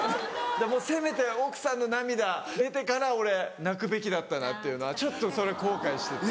せめて奥さんの涙出てから俺泣くべきだったなっていうのはちょっとそれ後悔してて。